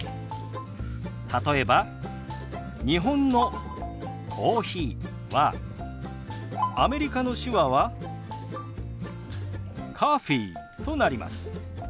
例えば日本の「コーヒー」はアメリカの手話は「ｃｏｆｆｅｅ」となります。